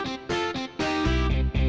kapta sudah sabi